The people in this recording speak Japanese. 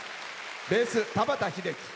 ベース、田畑秀樹。